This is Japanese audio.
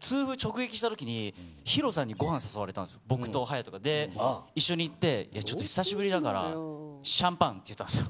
痛風直撃したときにＨＩＲＯさんにご飯誘われたんですよ、僕と隼が一緒に行って、久しぶりだからシャンパンって言ったんですよ。